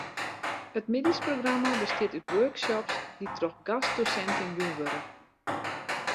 It middeisprogramma bestiet út workshops dy't troch gastdosinten jûn wurde.